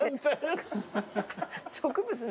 植物？